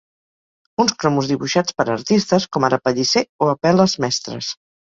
Uns cromos dibuixats per artistes com ara Pellicer o Apel·les Mestres.